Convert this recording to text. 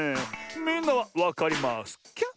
みんなはわかりますキャ？